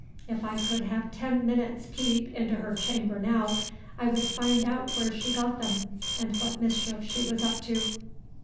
If I could have ten minutes' peep into her chamber now, I would find out where she got them, and what mischief she was up to."